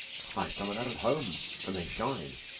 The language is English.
"I've some o' that at home, an' they shine.